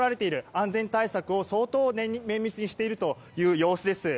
安全対策を相当綿密にしているという様子です。